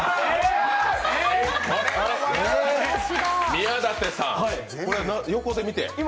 宮舘さん、これ横で見て？